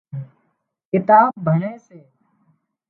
ڪتاب ڀڻي سي